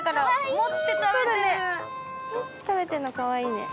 持って食べてるのかわいいね。